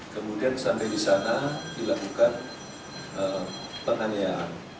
kemudian sampai di sana dilakukan penganiayaan